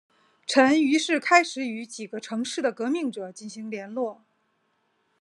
陈于是开始与几个城市的革命者进行联络。